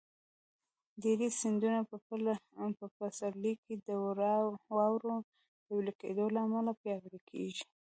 ډېری سیندونه په پسرلي کې د واورو د وېلې کېدو له امله پیاوړي کېږي.